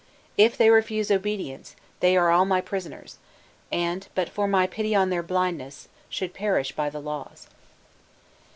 IF they refuse obedience, they are all my prisoners, and, but for my pity on their blindness, should perish by the laws."